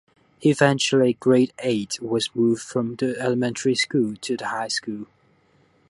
Eventually grade eight was moved from the elementary school to the high school.